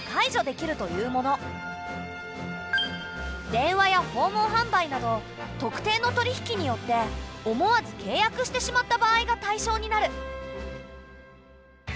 電話や訪問販売など「特定の取引」によって思わず契約してしまった場合が対象になる。